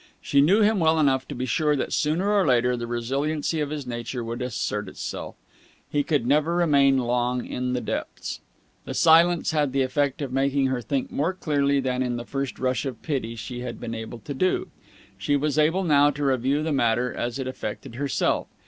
She knew him well enough to be sure that, sooner or later, the resiliency of his nature would assert itself. He could never remain long in the depths. The silence had the effect of making her think more clearly than in the first rush of pity she had been able to do. She was able now to review the matter as it affected herself.